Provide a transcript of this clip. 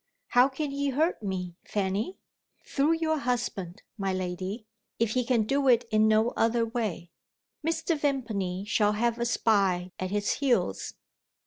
"How can he hurt me, Fanny?" "Through your husband, my lady, if he can do it in no other way. Mr. Vimpany shall have a spy at his heels.